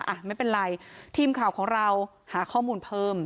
อ่ะไม่เป็นไรทีมข่าวของเราหาข้อมูลเพิ่ม